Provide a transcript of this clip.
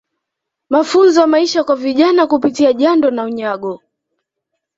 Mafunzo ya Maisha kwa Vijana Kupitia Jando na Unyago